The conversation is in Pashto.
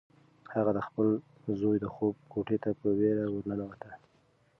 هغه د خپل زوی د خوب کوټې ته په وېره ورننوته.